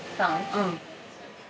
うん。